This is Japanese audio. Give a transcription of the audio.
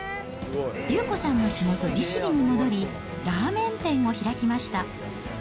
祐子さんの地元、利尻に戻り、ラーメン店を開きました。